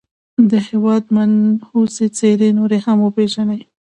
د هېواد منحوسي څېرې نورې هم وپېژني.